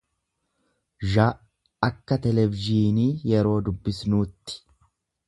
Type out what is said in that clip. zy akka televizyiinii yeroo dubbisnuutti.